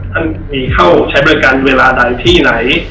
ท่านมีเข้าใช้บริการเวลาใดที่ไหน